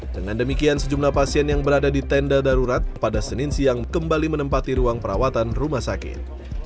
dengan demikian sejumlah pasien yang berada di tenda darurat pada senin siang kembali menempati ruang perawatan rumah sakit